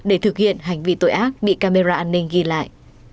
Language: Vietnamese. để thực hiện hành vi tội ác bị camera an ninh ghi lại